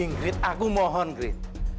ingrid aku mohon ingrid